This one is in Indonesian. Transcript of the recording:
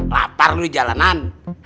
lapar lu di jalanan